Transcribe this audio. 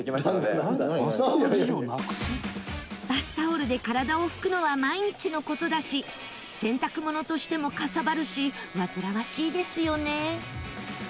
バスタオルで体を拭くのは毎日の事だし洗濯物としても、かさばるしわずらわしいですよね